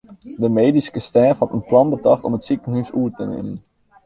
De medyske stêf hat in plan betocht om it sikehûs oer te nimmen.